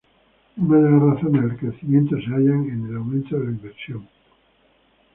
Una de las razones del crecimiento se halla en el aumento de la inversión.